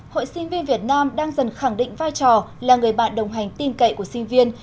hội sinh viên việt nam đang dần khẳng định vai trò là người bạn đồng hành tin cậy của sinh viên